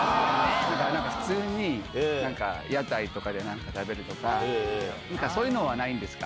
なんか普通に屋台とかでなんか食べるとか、そういうのはないんですか？